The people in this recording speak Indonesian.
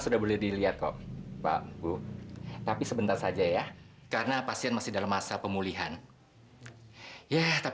mudah mudahan orang yang menerima darah saya bisa segera sembuh ya sus